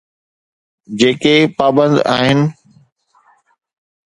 جيڪي پابند آهن.